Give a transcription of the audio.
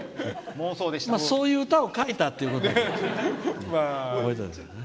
そういう歌を書いたっていうことで。